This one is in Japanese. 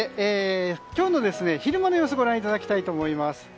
今日の昼間の様子をご覧いただきたいと思います。